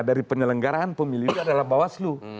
dari penyelenggaraan pemilu ini adalah bawah selu